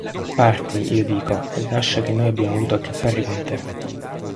Parti, io dico, e lascia che noi abbiamo avuto a che fare con te.